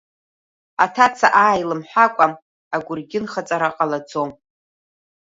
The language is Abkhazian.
Аҭаца ааи лымҳәакәа, агәыргьынхаҵара ҟалаӡом.